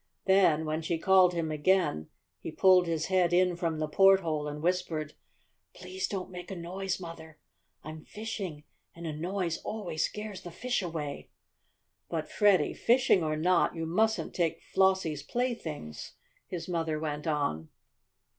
Then, when she called him again, he pulled his head in from the porthole and whispered: "Please don't make a noise, Mother! I'm fishing, and a noise always scares the fish away!" "But, Freddie, fishing or not, you mustn't take Flossie's playthings," his mother went on.